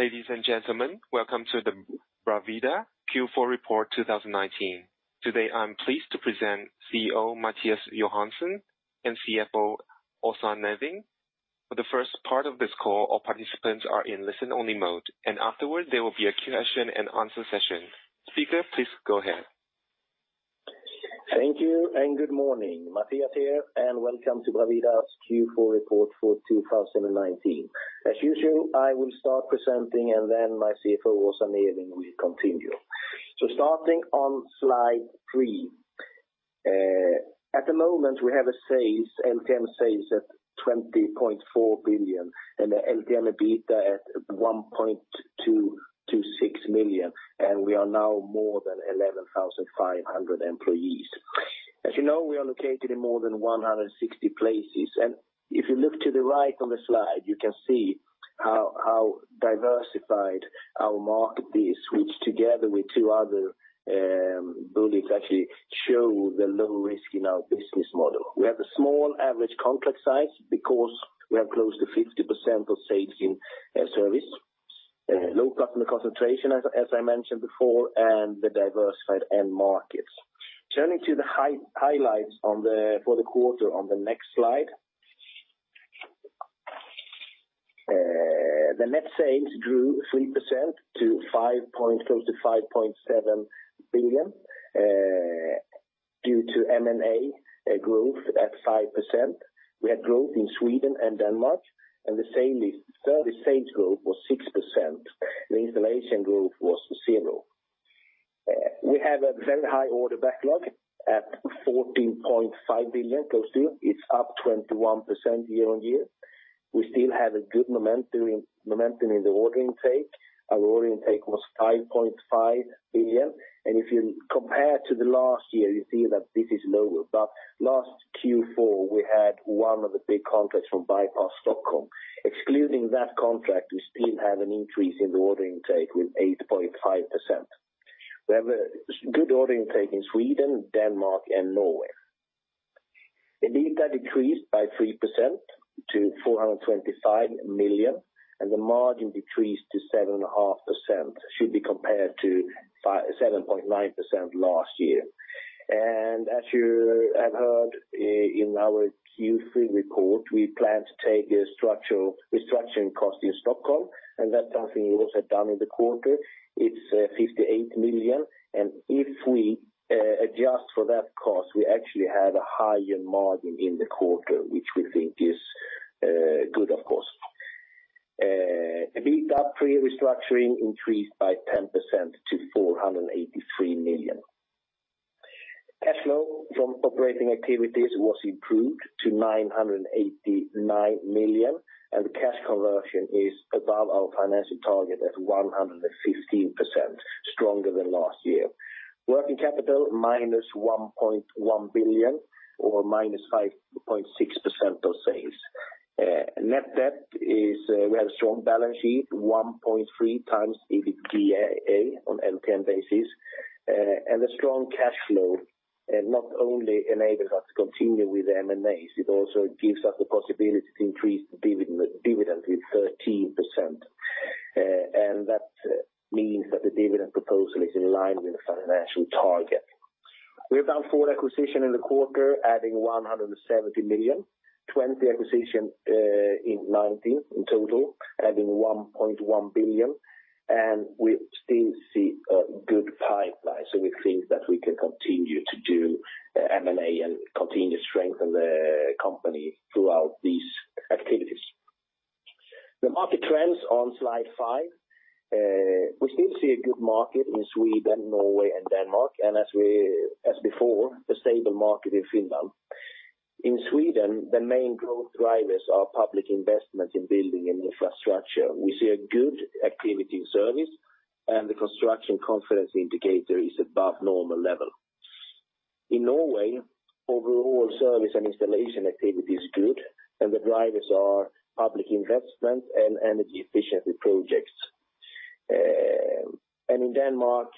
Ladies and gentlemen, welcome to the Bravida Q4 report 2019. Today, I'm pleased to present CEO, Mattias Johansson and CFO, Åsa Neving. For the first part of this call, all participants are in listen-only mode, and afterward, there will be a question and answer session. Speaker, please go ahead. Thank you and good morning. Mattias here, welcome to Bravida's Q4 report for 2019. As usual, I will start presenting, my CFO, Åsa Neving, will continue. Starting on slide three, at the moment, we have LTM sales at 20.4 billion, and LTM EBITDA at 1.226 million, and we are now more than 11,500 employees. As you know, we are located in more than 160 places, and if you look to the right on the slide, you can see how diversified our market is, which together with two other buildings, actually show the low risk in our business model. We have a small average complex size because we have close to 50% of sales in air service, low customer concentration, as I mentioned before, and the diversified end markets. Turning to the highlights on the, for the quarter on the next slide. The net sales grew 3% to 5.7 billion due to M&A, a growth at 5%. We had growth in Sweden and Denmark, and the sales growth was 6%. The installation growth was 0. We have a very high order backlog at 14.5 billion, close to. It's up 21% year-on-year. We still have a good momentum in the order intake. Our order intake was 5.5 billion, and if you compare to the last year, you see that this is lower. Last Q4, we had one of the big contracts from Bypass Stockholm. Excluding that contract, we still have an increase in the order intake with 8.5%. We have a good order intake in Sweden, Denmark and Norway. EBITDA decreased by 3% to 425 million, and the margin decreased to 7.5%, should be compared to 7.9% last year. As you have heard in our Q3 report, we plan to take a structural, restructuring cost in Stockholm, and that's something we also done in the quarter. It's 58 million, and if we adjust for that cost, we actually have a higher margin in the quarter, which we think is good, of course. EBITDA pre-restructuring increased by 10% to 483 million. Cash flow from operating activities was improved to 989 million SEK, and the cash conversion is above our financial target at 115%, stronger than last year. Working capital, -1.1 billion SEK or -5.6% of sales. Net debt is, we have a strong balance sheet, 1.3x EBITDA on LTM basis. The strong cash flow, not only enables us to continue with M&As, it also gives us the possibility to increase dividend, the dividend with 13%. That means that the dividend proposal is in line with the financial target. We have done four acquisitions in the quarter, adding 170 million SEK, 20 acquisitions in 19 in total, adding 1.1 billion SEK, and we still see a good pipeline. We think that we can continue to do M&A and continue to strengthen the company throughout these activities. The market trends on slide five. We still see a good market in Sweden, Norway and Denmark, and as before, a stable market in Finland. In Sweden, the main growth drivers are public investment in building and infrastructure. We see a good activity in service, and the construction confidence indicator is above normal level. In Norway, overall service and installation activity is good, and the drivers are public investment and energy efficiency projects. In Denmark,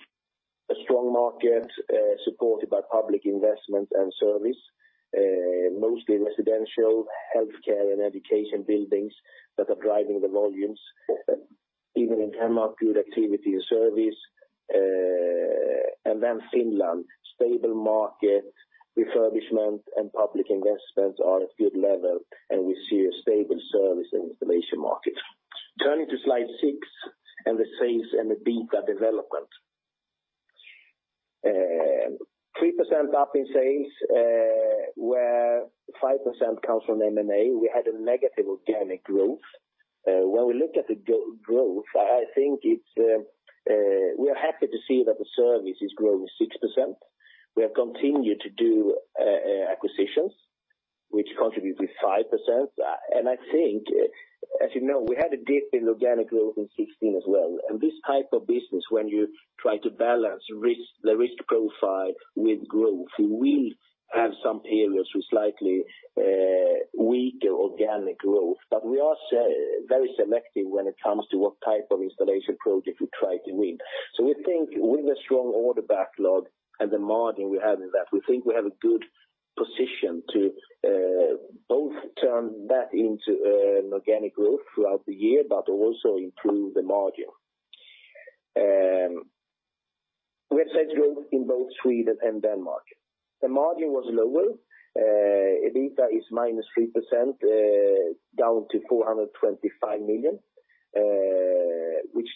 a strong market, supported by public investment and service, mostly residential, healthcare and education buildings that are driving the volumes. Even in Denmark, good activity and service, and then Finland, stable market, refurbishment and public investments are at good level, and we see a stable service in installation market. Turning to slide six, and the sales and EBITDA development. 3% up in sales, where 5% comes from M&A, we had a negative organic growth. When we look at the growth, I think it's, we are happy to see that the service is growing 6%. We have continued to do acquisitions, which contribute with 5%. I think, as you know, we had a dip in organic growth in 2016 as well. This type of business, when you try to balance risk, the risk profile with growth, we have some areas with slightly weaker organic growth. We are very selective when it comes to what type of installation project we try to win. We think with a strong order backlog and the margin we have in that, we think we have a good position to both turn that into an organic growth throughout the year, but also improve the margin. We have sales growth in both Sweden and Denmark. The margin was lower. EBITDA is minus 3%, down to 425 million, which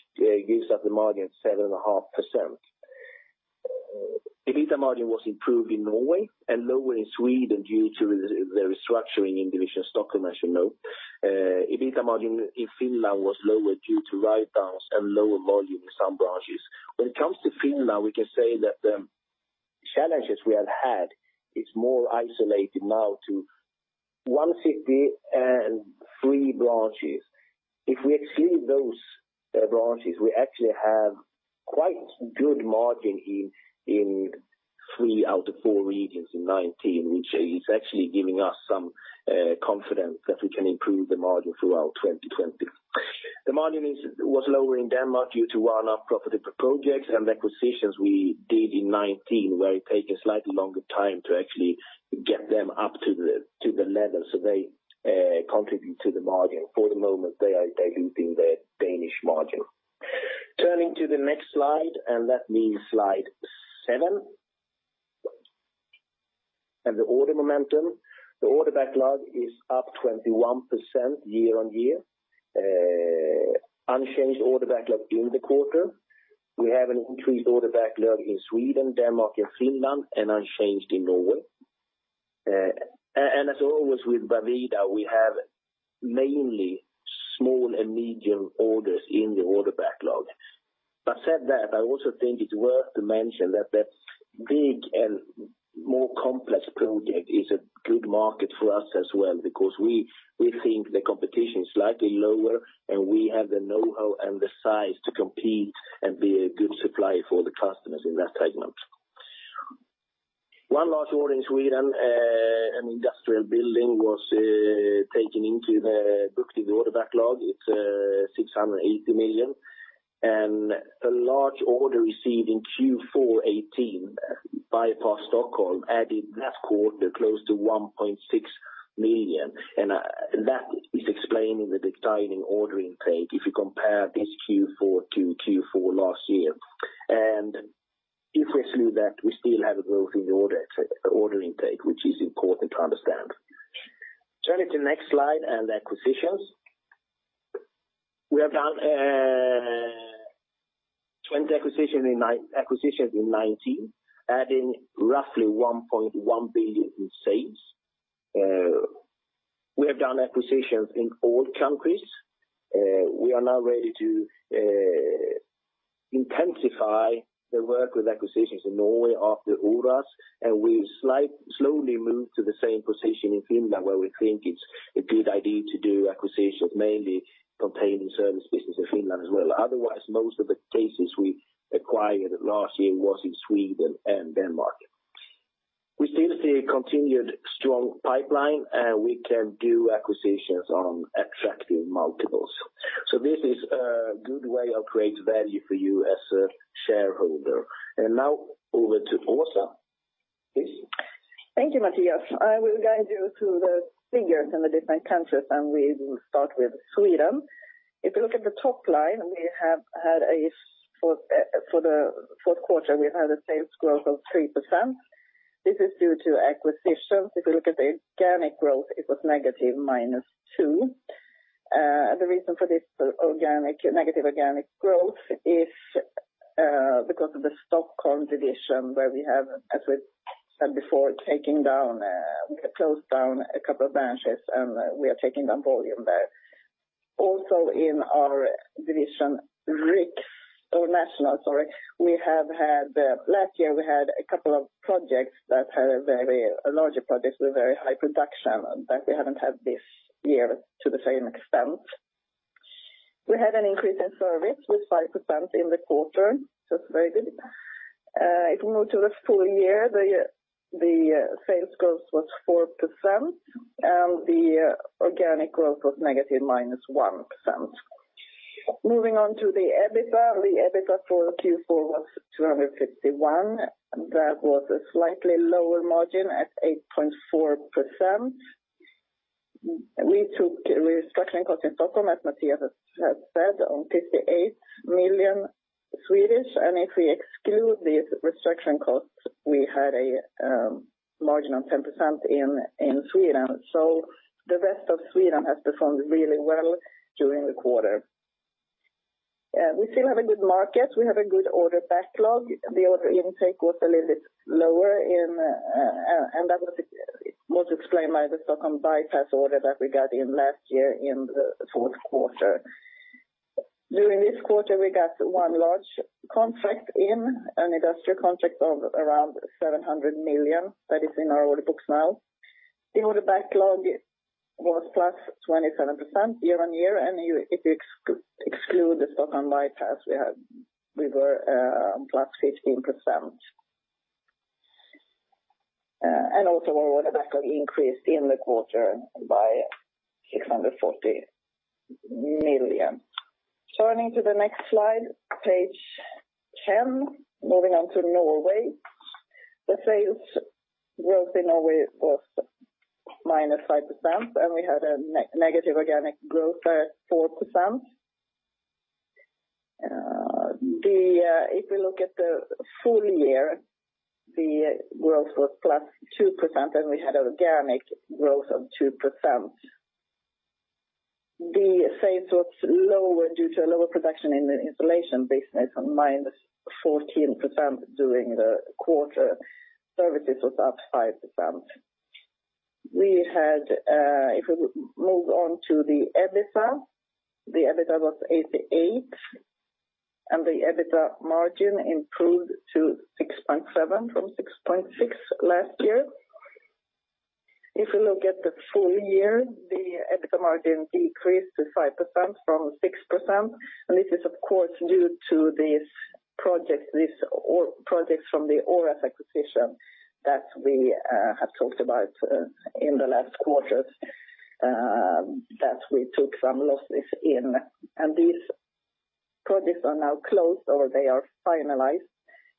gives us the margin 7.5%. EBITDA margin was improved in Norway and lower in Sweden due to the restructuring in Division Stockholm, as you know. EBITDA margin in Finland was lower due to write downs and lower volume in some branches. When it comes to Finland, we can say that the challenges we have had is more isolated now to one city and three branches. If we exclude those branches, we actually have quite good margin in three out of four regions in 2019, which is actually giving us some confidence that we can improve the margin throughout 2020. The margin was lower in Denmark due to one-off profitable projects and acquisitions we did in 2019, where it takes a slightly longer time to actually get them up to the level, so they contribute to the margin. For the moment, they are diluting the Danish margin. Turning to the next slide, that means slide seven. The order momentum. The order backlog is up 21% year-on-year, unchanged order backlog in the quarter. We have an increased order backlog in Sweden, Denmark, and Finland, unchanged in Norway. As always, with Bravida, we have mainly small and medium orders in the order backlog. Said that, I also think it's worth to mention that the big and more complex project is a good market for us as well, because we think the competition is slightly lower, and we have the know-how and the size to compete and be a good supplier for the customers in that segment. One large order in Sweden, an industrial building was booked in the order backlog. It's 680 million SEK. A large order received in Q4 2018, Bypass Stockholm, added that quarter close to 1.6 million, and that is explaining the declining ordering rate if you compare this Q4 to Q4 last year. If we exclude that, we still have a growth in the order intake, which is important to understand. Turning to the next slide and acquisitions. We have done 20 acquisitions in 2019, adding roughly 1.1 billion in sales. We have done acquisitions in all countries. We are now ready to intensify the work with acquisitions in Norway after Oras, and we slowly move to the same position in Finland, where we think it's a good idea to do acquisitions, mainly containing service business in Finland as well. Otherwise, most of the cases we acquired last year was in Sweden and Denmark. We still see a continued strong pipeline. We can do acquisitions on attractive multiples. This is a good way of creating value for you as a shareholder. Now over to Åsa. Please. Thank you, Mattias. I will guide you through the figures in the different countries, and we will start with Sweden. If you look at the top line, we have had a for the fourth quarter, we've had a sales growth of 3%. This is due to acquisitions. If you look at the organic growth, it was negative, -2%. The reason for this organic, negative organic growth is because of the Stockholm division, where we have, as we said before, taking down, we closed down a couple of branches, and we are taking down volume there. Also in our division, Riks or National, sorry, we have had last year, we had a couple of projects that had a very larger projects with very high production, that we haven't had this year to the same extent. We had an increase in service with 5% in the quarter, so it's very good. If you move to the full year, the sales growth was 4%, and the organic growth was negative, -1%. Moving on to the EBITDA, the EBITDA for Q4 was 251. That was a slightly lower margin at 8.4%. We took restructuring costs in Stockholm, as Mattias has said, on 58 million, and if we exclude these restructuring costs, we had a margin of 10% in Sweden. The rest of Sweden has performed really well during the quarter. We still have a good market. We have a good order backlog. The order intake was a little bit lower in, and that was explained by the Stockholm Bypass order that we got in last year in the fourth quarter. During this quarter, we got one large contract in, an industrial contract of around 700 million, that is in our order books now. The order backlog was +27% year-on-year, and if you exclude the Stockholm Bypass, we were +15%. Also our order backlog increased in the quarter by 640 million. Turning to the next slide, page 10, moving on to Norway. The sales growth in Norway was -5%, and we had a negative organic growth of 4%. If you look at the full year, the growth was +2%. We had organic growth of 2%. The sales was lower due to a lower production in the installation business on -14% during the quarter. Services was up 5%. We had, if we move on to the EBITDA, the EBITDA was 88. The EBITDA margin improved to 6.7% from 6.6% last year. If you look at the full year, the EBITDA margin decreased to 5% from 6%. This is, of course, due to these projects, these all projects from the Aures acquisition that we have talked about in the last quarters that we took some losses in. These projects are now closed or they are finalized,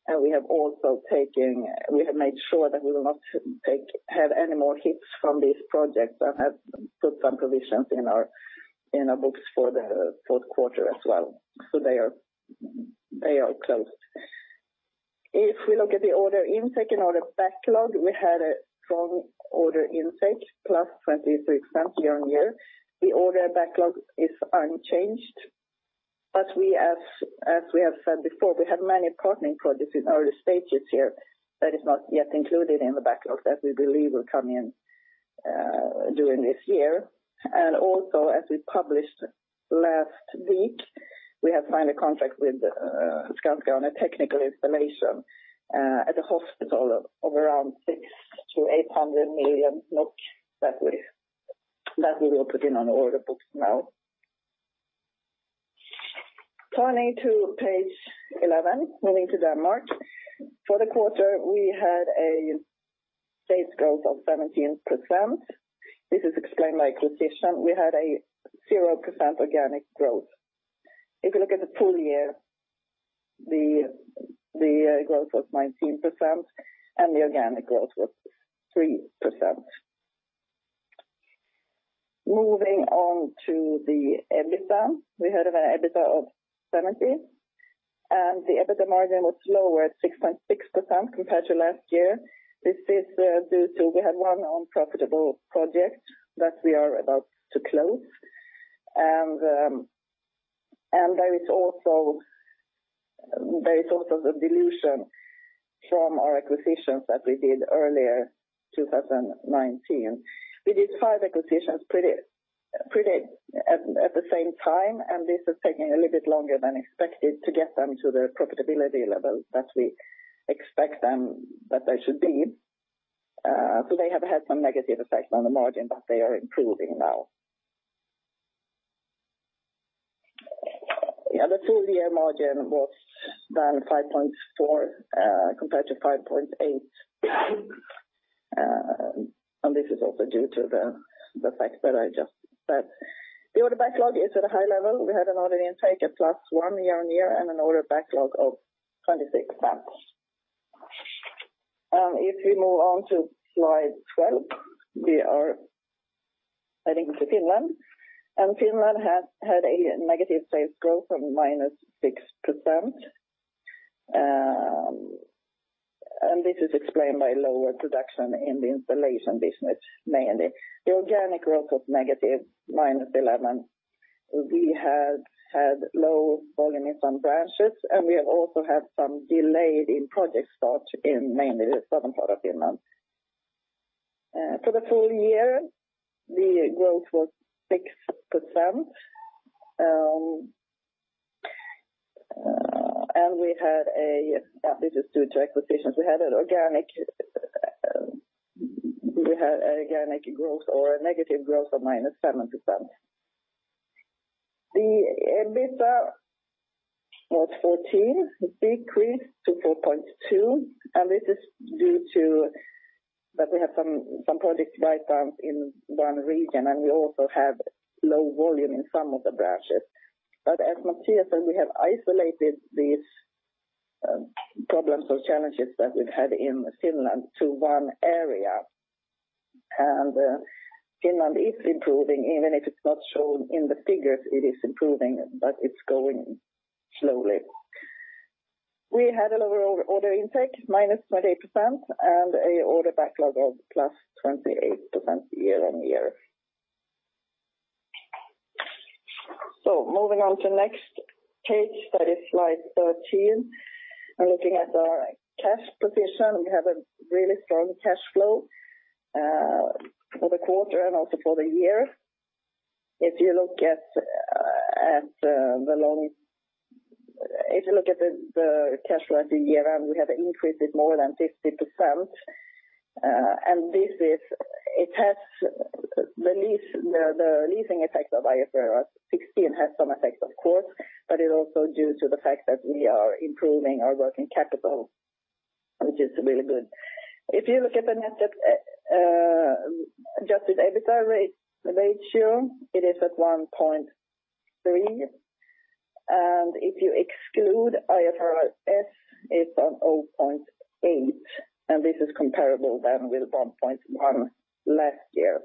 and we have also made sure that we will not take, have any more hits from these projects and have put some provisions in our books for the fourth quarter as well. They are closed. If we look at the order intake and order backlog, we had a strong order intake, +23% year-on-year. The order backlog is unchanged, but we have said before, we have many partnering projects in early stages here that is not yet included in the backlog that we believe will come in during this year. As we published last week, we have signed a contract with Skanska on a technical installation at the hospital of around 600 million-800 million that we will put in on order books now. Turning to page 11, moving to Denmark. For the quarter, we had a sales growth of 17%. This is explained by acquisition. We had a 0% organic growth. If you look at the full year, the growth was 19% and the organic growth was 3%. Moving on to the EBITDA, we had an EBITDA of 70, and the EBITDA margin was lower at 6.6% compared to last year. This is due to we had one unprofitable project that we are about to close. There is also the dilution from our acquisitions that we did earlier 2019. We did five acquisitions pretty at the same time, and this has taken a little bit longer than expected to get them to the profitability level that we expect them, that they should be. They have had some negative effect on the margin, but they are improving now. The full year margin was down 5.4% compared to 5.8%. This is also due to the fact that I just said. The order backlog is at a high level. We had an order intake at +1% year-on-year and an order backlog of 26%. If we move on to slide 12, we are heading to Finland. Finland had a negative sales growth of -6%. This is explained by lower production in the installation business, mainly. The organic growth of -11%. We had low volume in some branches, and we have also had some delayed in project start in mainly the southern part of Finland. For the full year, the growth was 6%. This is due to acquisitions. We had organic growth or a negative growth of -7%. The EBITDA was 14%, decreased to 4.2%, and this is due to that we have some project write downs in one region, and we also have low volume in some of the branches. As Mattias said, we have isolated these problems or challenges that we've had in Finland to one area, and Finland is improving, even if it's not shown in the figures, it is improving, but it's going slowly. We had a lower order intake, -20%, and a order backlog of +28% year-on-year. Moving on to next page, that is slide 13. Looking at our cash position, we have a really strong cash flow for the quarter and also for the year. If you look at the cash flow at the year end, we have increased it more than 50%. It has the lease, the leasing effect of IFRS 16 has some effect, of course, it's also due to the fact that we are improving our working capital, which is really good. If you look at the net at adjusted EBITDA rate ratio, it is at 1.3. If you exclude IFRS, it's on 0.8, this is comparable with 1.1 last year.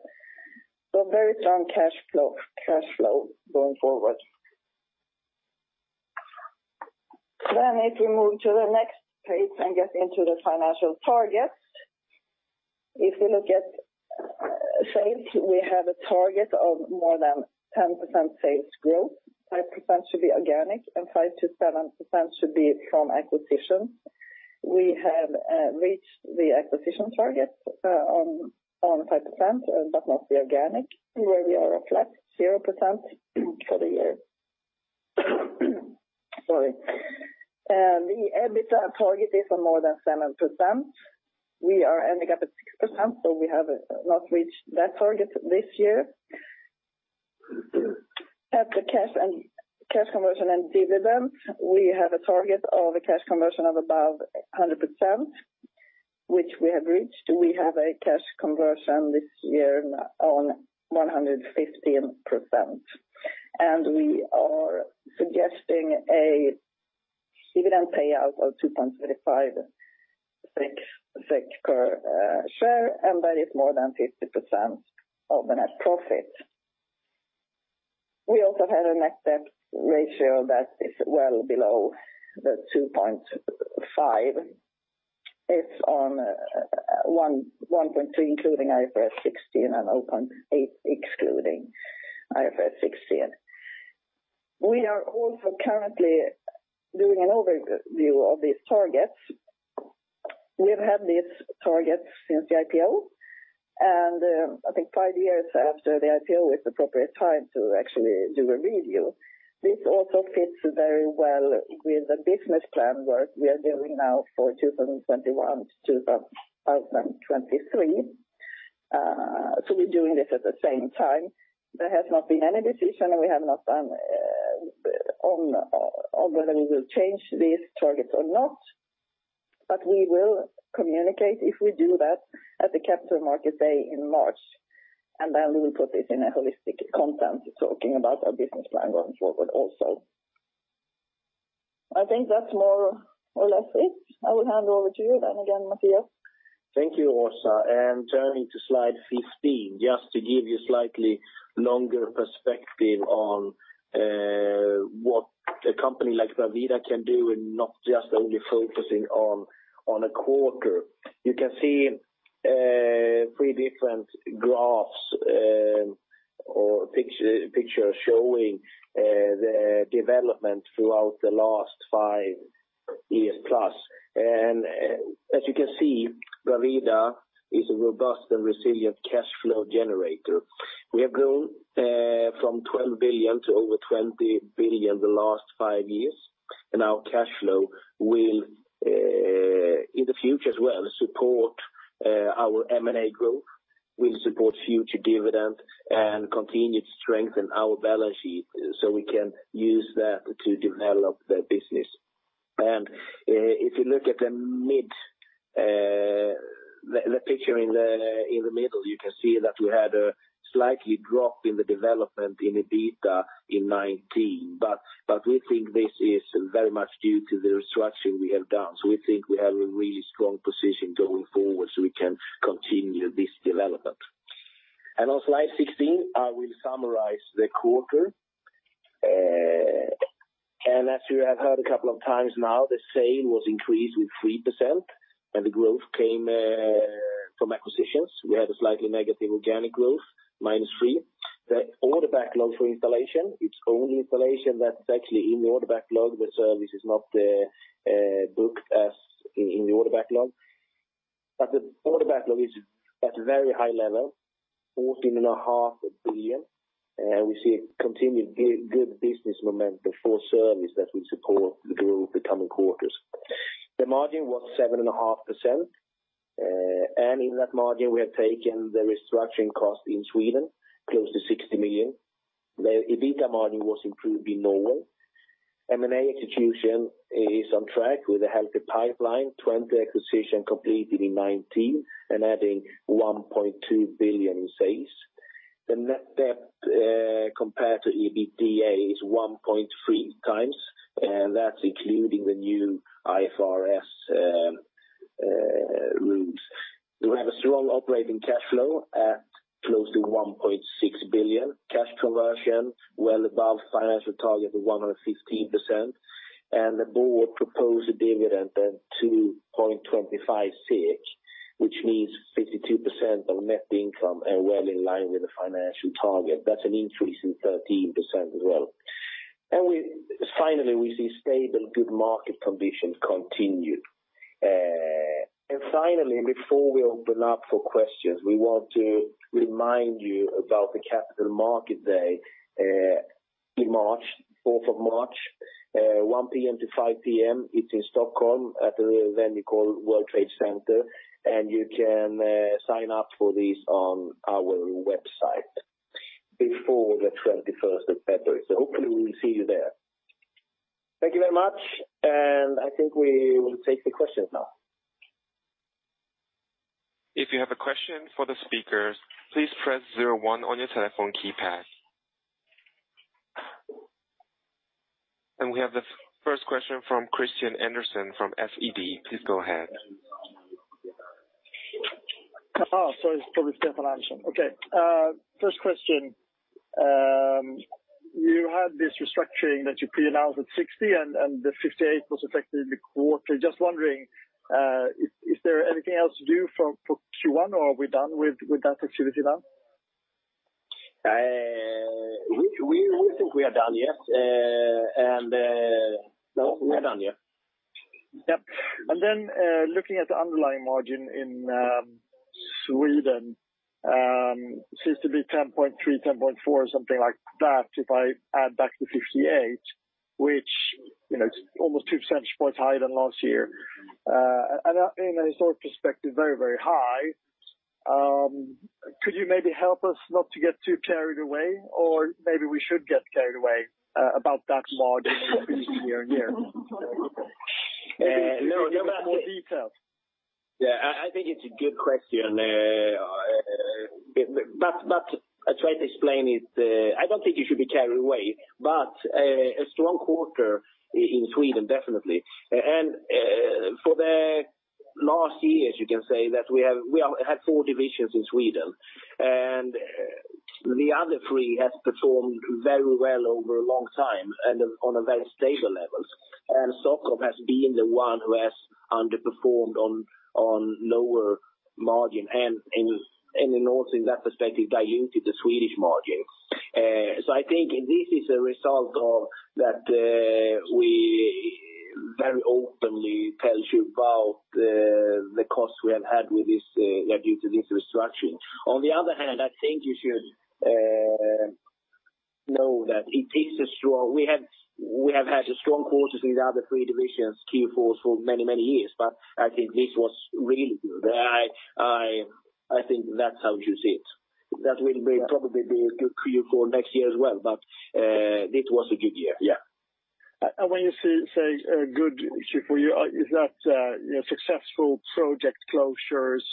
Very strong cash flow going forward. If we move to the next page and get into the financial targets, if we look at sales, we have a target of more than 10% sales growth. 5% should be organic, 5%-7% should be from acquisitions. We have reached the acquisition target on 5%, but not the organic, where we are at flat 0% for the year. Sorry. The EBITDA target is on more than 7%. We are ending up at 6%, so we have not reached that target this year. At the cash conversion and dividend, we have a target of a cash conversion of about 100%, which we have reached. We have a cash conversion this year on 115%, and we are suggesting a dividend payout of 2.35 per share, and that is more than 50% of the net profit. We also have a net debt ratio that is well below the 2.5. It's on 1.2, including IFRS 16, and 0.8 excluding IFRS 16. We are also currently doing an overview of these targets. We have had these targets since the IPO, and I think five years after the IPO is the appropriate time to actually do a review. This also fits very well with the business plan work we are doing now for 2021 to 2023. We're doing this at the same time. There has not been any decision, and we have not done on whether we will change these targets or not, but we will communicate if we do that at the Capital Market Day in March, and then we will put this in a holistic content, talking about our business plan going forward also. I think that's more or less it. I will hand over to you then again, Mattias. Thank you, Åsa. Turning to slide 15, just to give you slightly longer perspective on what a company like Bravida can do and not just only focusing on a quarter. You can see three different graphs or picture showing the development throughout the last five years plus. As you can see, Bravida is a robust and resilient cash flow generator. We have grown from 12 billion to over 20 billion the last five years. Our cash flow will in the future as well support our M&A growth, will support future dividend, and continue to strengthen our balance sheet we can use that to develop the business. If you look at the mid, the picture in the middle, you can see that we had a slightly drop in the development in EBITDA in 2019, but we think this is very much due to the restructuring we have done. We think we have a really strong position going forward so we can continue this development. On slide 16, I will summarize the quarter. As you have heard a couple of times now, the sale was increased with 3%, and the growth came from acquisitions. We had a slightly negative organic growth, -3%. The order backlog for installation, it's only installation that's actually in the order backlog. The service is not booked as in the order backlog. The order backlog is at a very high level, 14.5 billion, and we see a continued good business momentum for service that will support the growth the coming quarters. The margin was 7.5%, and in that margin, we have taken the restructuring cost in Sweden, close to 60 million. The EBITDA margin was improved in Norway. M&A execution is on track with a healthy pipeline, 20 acquisition completed in 2019 and adding 1.2 billion in sales. The net debt compared to EBITDA is 1.3x, and that's including the new IFRS rules. We have a strong operating cash flow at close to 1.6 billion. Cash conversion well above financial target of 115%, and the board proposed a dividend of 2.25 SEK, which means 52% of net income and well in line with the financial target. That's an increase in 13% as well. Finally, we see stable good market conditions continue. Finally, before we open up for questions, we want to remind you about the Capital Market Day in March, fourth of March, 1:00 P.M. to 5:00 P.M. It's in Stockholm at a venue called World Trade Center, and you can sign up for this on our website before the 21st of February. Hopefully we will see you there. Thank you very much. I think we will take the questions now.... If you have a question for the speakers, please press zero-one on your telephone keypad. We have the first question from Christian Andersson from SEB. Please go ahead. Oh, sorry, it's probably Christian Andersson. Okay, first question. You had this restructuring that you pre-announced at 60, and the 58 was affected in the quarter. Just wondering, is there anything else to do for Q1, or are we done with that activity now? We think we are done, yes. No, we are done, yeah. Yep. Looking at the underlying margin in Sweden, seems to be 10.3%, 10.4%, something like that, if I add back to 58, which, you know, is almost 2 percentage points higher than last year. In a historic perspective, very, very high. Could you maybe help us not to get too carried away, or maybe we should get carried away, about that margin year-on-year? A little bit more detail. Yeah, I think it's a good question. But I'll try to explain it. I don't think you should be carried away, but a strong quarter in Sweden, definitely. For the last years, you can say that we have had four divisions in Sweden, and the other three has performed very well over a long time and on a very stable levels. Stockholm has been the one who has underperformed on lower margin, and then also in that perspective, diluted the Swedish margin. I think this is a result of that we very openly tells you about the cost we have had with this due to this restructuring. On the other hand, I think you should know that it takes a strong, we have had strong quarters in the other three divisions, Q4, for many, many years, but I think this was really good. I think that's how you see it. That will be probably be good for you for next year as well. This was a good year. Yeah. When you say a good year for you, is that, you know, successful project closures,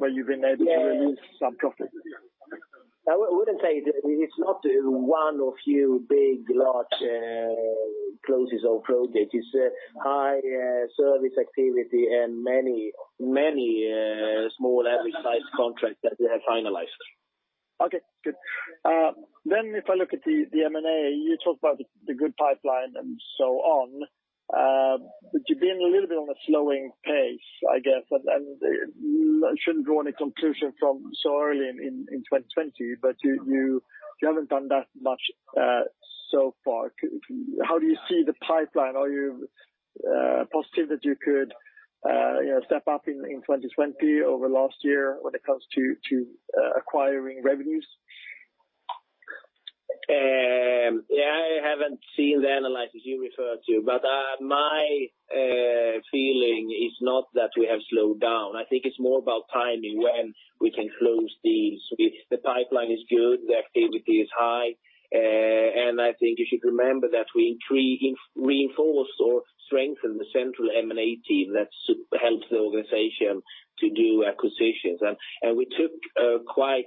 where you've been able to release some profit? I wouldn't say that. It's not one or few big, large, closes or projects. It's a high service activity and many small and mid-sized contracts that we have finalized. Okay, good. If I look at the M&A, you talked about the good pipeline and so on. You've been a little bit on a slowing pace, I guess, and I shouldn't draw any conclusion from so early in 2020, but you haven't done that much so far. How do you see the pipeline? Are you positive that you could, you know, step up in 2020 over last year when it comes to acquiring revenues? Yeah, I haven't seen the analysis you referred to, but my feeling is not that we have slowed down. I think it's more about timing, when we can close deals. The pipeline is good, the activity is high. I think you should remember that we reinforce or strengthen the central M&A team that helps the organization to do acquisitions. We took a quite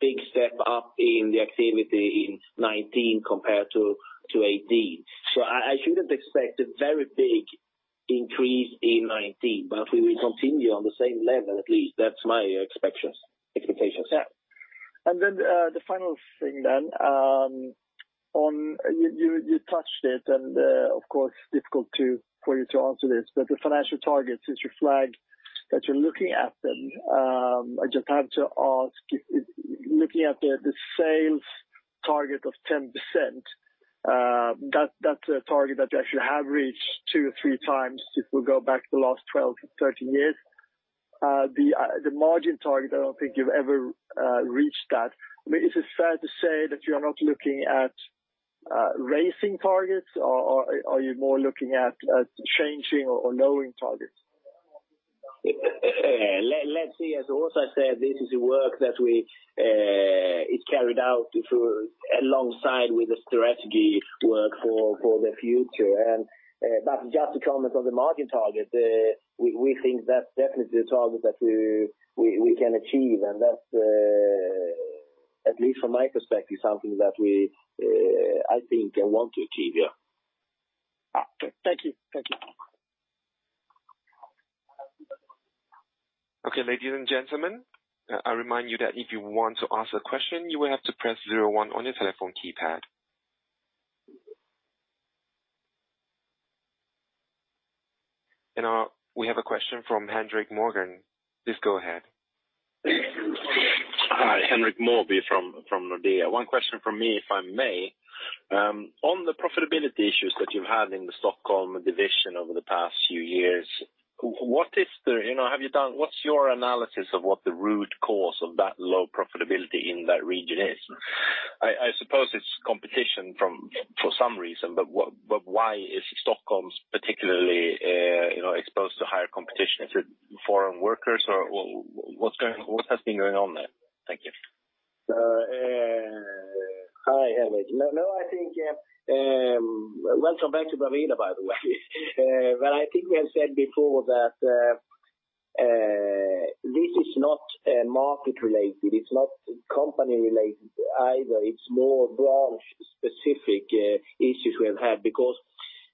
big step up in the activity in 19 compared to 18. I shouldn't expect a very big increase in 19, but we will continue on the same level, at least that's my expectations. The final thing then, on. You touched it, and of course, difficult for you to answer this, but the financial targets, since you flagged that you're looking at them, I just have to ask. Looking at the sales target of 10%, that's a target that you actually have reached two or three times, if we go back the last 12 to 13 years. The margin target, I don't think you've ever reached that. I mean, is it fair to say that you're not looking at raising targets, or are you more looking at changing or lowering targets? Let's see. As also I said, this is a work that we, it's carried out through alongside with the strategy work for the future. Just to comment on the margin target, we think that's definitely a target that we can achieve, and that's, at least from my perspective, something that we, I think I want to achieve. Yeah. Thank you. Thank you. Okay, ladies and gentlemen, I remind you that if you want to ask a question, you will have to press zero-one on your telephone keypad. We have a question from Henrik Mawby. Please go ahead. Hi, Henrik Mawby from Nordea. One question from me, if I may. On the profitability issues that you've had in the Stockholm division over the past few years, what is the... You know, what's your analysis of what the root cause of that low profitability in that region is? I suppose it's competition from, for some reason, but what, but why is Stockholm particularly, you know, exposed to higher competition? Is it foreign workers or what has been going on there? Thank you. Hey, Henrik. No, no, I think, welcome back to Bravida, by the way. I think we have said before that this is not market related, it's not company related either. It's more branch specific issues we have had, because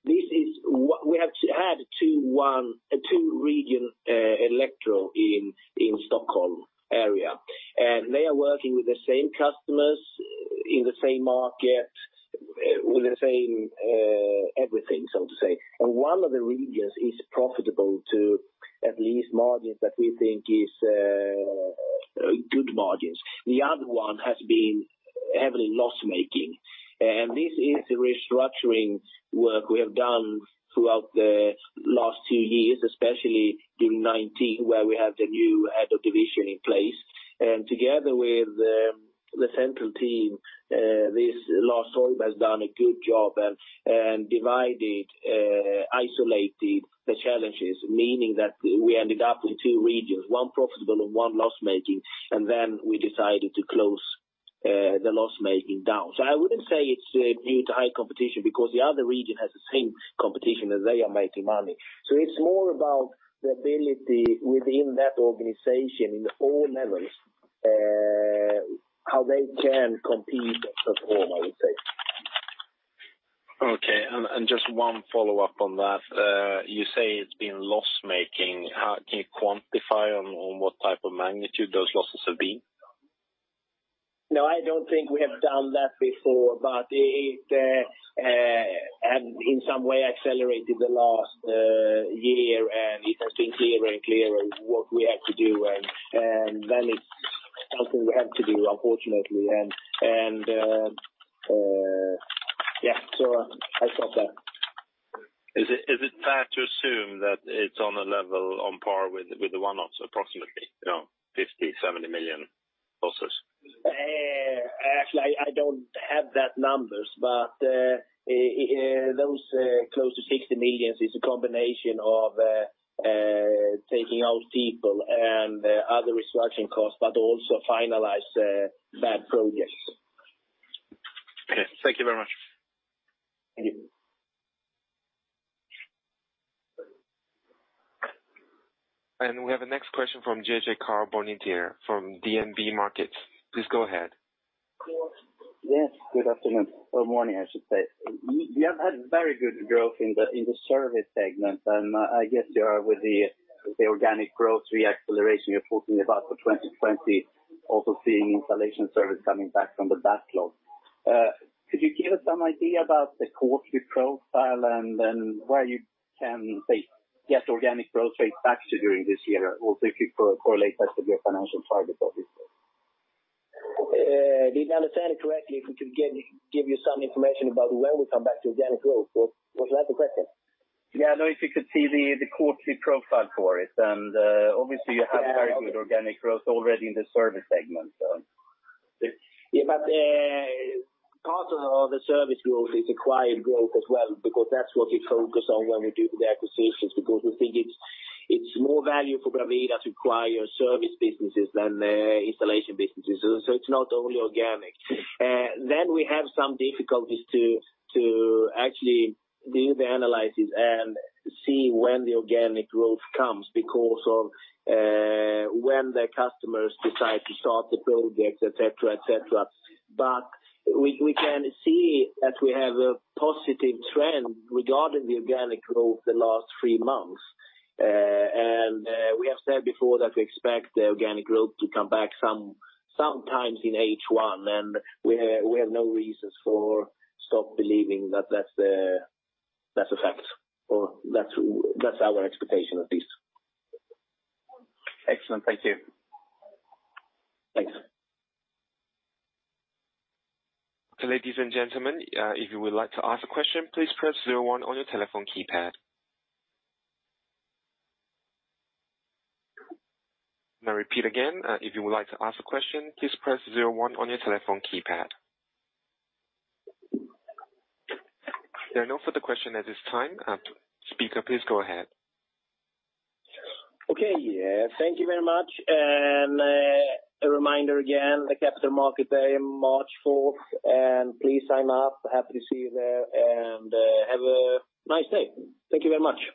this is we have to add two, one, two region Elektro in Stockholm area. They are working with the same customers in the same market, with the same everything, so to say. One of the regions is profitable to at least margins that we think is good margins. The other one has been heavily loss-making. This is a restructuring work we have done throughout the last two years, especially in 2019, where we have the new head of division in place. Together with, the central team, this last autumn has done a good job and divided, isolated the challenges, meaning that we ended up with two regions, one profitable and one loss-making. We decided to close the loss-making down. I wouldn't say it's, due to high competition, because the other region has the same competition, as they are making money. It's more about the ability within that organization, in all levels, how they can compete, perform, I would say. Okay. Just one follow-up on that. You say it's been loss-making. Can you quantify on what type of magnitude those losses have been? No, I don't think we have done that before, but it, and in some way accelerated the last year. It has been clearer and clearer what we have to do. Then it's something we have to do, unfortunately. Yeah, I stop there. Is it fair to assume that it's on a level on par with the one loss, approximately, you know, 50 million-70 million losses? actually, I don't have that numbers, but those close to 60 million is a combination of taking out people and other restructuring costs, but also finalize bad projects. Okay. Thank you very much. Thank you. We have the next question from Johan Sundelin, from DNB Markets. Please go ahead. Yes, good afternoon, or morning, I should say. You have had very good growth in the service segment, and I guess you are with the organic growth re-acceleration you're talking about for 2020, also seeing installation service coming back from the backlog. Could you give us some idea about the quarterly profile and then where you can, say, get organic growth rate back to during this year, or if you correlate that to your financial target, obviously? Did I understand it correctly, if we could give you some information about when we come back to organic growth? Was that the question? Yeah. If you could see the quarterly profile for it, obviously you have very good organic growth already in the service segment. Part of the service growth is acquired growth as well, because that's what we focus on when we do the acquisitions, because we think it's more value for Bravida to acquire service businesses than installation businesses. It's not only organic. Then we have some difficulties to actually do the analysis and see when the organic growth comes because of when the customers decide to start the projects, et cetera, et cetera. We can see that we have a positive trend regarding the organic growth the last three months. And we have said before that we expect the organic growth to come back sometimes in H1, and we have no reasons for stop believing that that's a fact, or that's our expectation, at least. Excellent. Thank you. Thanks. Ladies and gentlemen, if you would like to ask a question, please press zero-one on your telephone keypad. I repeat again, if you would like to ask a question, please press zero-one on your telephone keypad. There are no further question at this time. Speaker, please go ahead. Okay. Yeah. Thank you very much. A reminder again, the Capital Market Day, March fourth, and please sign up. Happy to see you there. Have a nice day. Thank you very much.